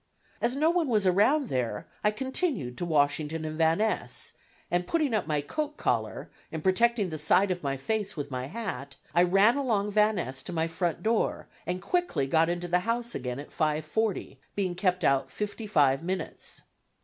As no one was around there, I continued to Washington and Van Ness and, putting up my coat collar and protecting the side of my face with my hat, I ran along Van Ness to my front door and quickly got into the house again at 5:40, being kept out fifty five minutes.